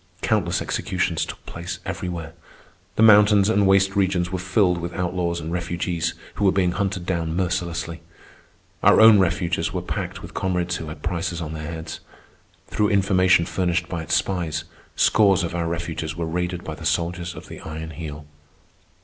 Countless executions took place everywhere. The mountains and waste regions were filled with outlaws and refugees who were being hunted down mercilessly. Our own refuges were packed with comrades who had prices on their heads. Through information furnished by its spies, scores of our refuges were raided by the soldiers of the Iron Heel.